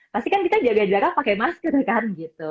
pastikan kita jaga jarak pakai masker kan gitu